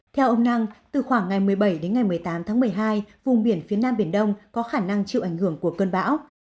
theo ông năng từ khoảng ngày một mươi bảy đến ngày một mươi tám tháng một mươi hai vùng biển phía nam biển đông có khả năng chịu ảnh hưởng của cơn bão